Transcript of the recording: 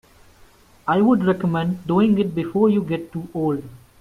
I would recommend doing it before you get too old.